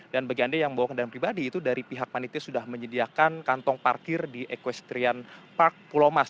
dan bagi anda yang membawa kendaraan pribadi itu dari pihak manitia sudah menyediakan kantong parkir di equestrian park pulau mas